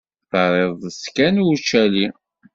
Terriḍ-tt kan i ucali.